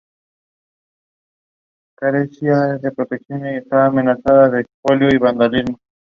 El pueblo tiene un templo llamado Nuestra Señora del Carmen.